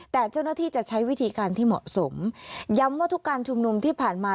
แต่เจ้าหน้าที่จะใช้วิธีการที่เหมาะสมย้ำว่าทุกการชุมนุมที่ผ่านมา